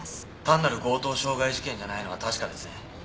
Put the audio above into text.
単なる強盗傷害事件じゃないのは確かですね。